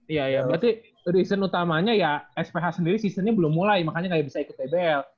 iya iya berarti reason utamanya ya sph sendiri seasonnya belum mulai makanya ga bisa ikut dbl